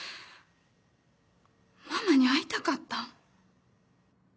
ママに会いたかった。